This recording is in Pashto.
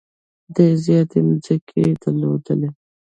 ډېرې زیاتې مځکې یې درلودلې.